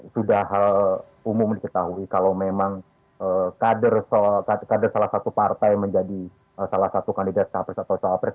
sudah hal umum diketahui kalau memang kader salah satu partai menjadi salah satu kandidat capres atau cawapres